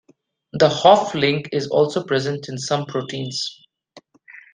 The Hopf link is also present in some proteins.